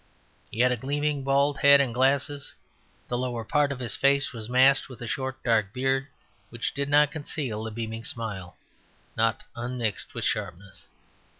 He had a gleaming bald head and glasses; the lower part of his face was masked with a short, dark beard, which did not conceal a beaming smile, not unmixed with sharpness.